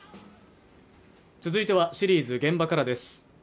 続いてはシリーズ「現場から」です。